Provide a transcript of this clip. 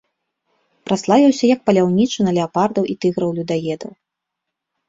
Праславіўся як паляўнічы на леапардаў і тыграў-людаедаў.